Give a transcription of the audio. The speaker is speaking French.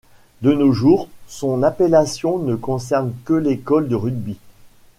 De nos jours, son appellation ne concerne que l'école de rugby.